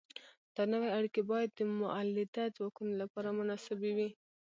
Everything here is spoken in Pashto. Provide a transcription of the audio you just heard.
دا نوې اړیکې باید د مؤلده ځواکونو لپاره مناسبې وي.